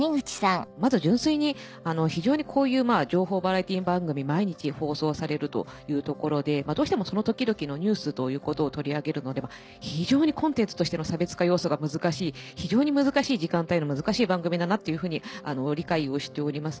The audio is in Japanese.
まず純粋に非常にこういう情報バラエティー番組毎日放送されるというところでどうしてもその時々のニュースということを取り上げるので非常にコンテンツとしての差別化要素が難しい非常に難しい時間帯の難しい番組だなっていうふうに理解をしております。